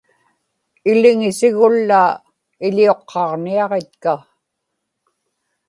iliŋisigullaa iḷiuqqaġniaġitka